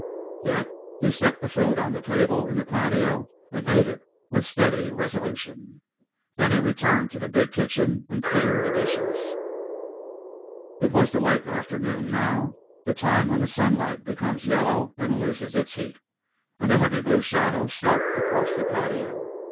Yet he set the food on the table in the patio and ate it with steady resolution. Then he returned to the big kitchen and cleansed the dishes. It was the late afternoon, now, the time when the sunlight becomes yellow and loses its heat, and the heavy blue shadow sloped across the patio.